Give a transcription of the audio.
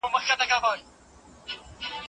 استاد باید په خپل کار کي ماهر وي.